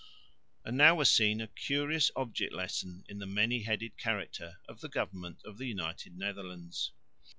And now was seen a curious object lesson in the many headed character of the government of the United Netherlands.